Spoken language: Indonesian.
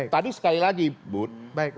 tadi sekali lagi bud